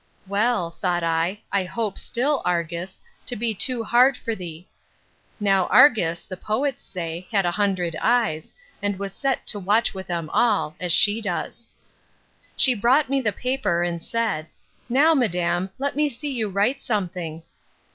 Well, thought I, I hope still, Argus, to be too hard for thee. Now Argus, the poets say, had a hundred eyes, and was set to watch with them all, as she does. She brought me the paper, and said, Now, madam, let me see you write something.